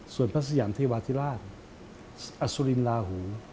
ส่วนพระสยามเทวาธิราชอสุรินลาหู